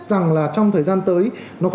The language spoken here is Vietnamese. rằng là trong thời gian tới nó có